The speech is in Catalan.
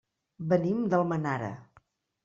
Venim d'Almenara.